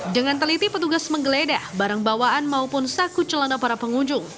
dengan teliti petugas menggeledah barang bawaan maupun saku celana para pengunjung